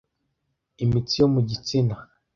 Imitsi yo mu gitsina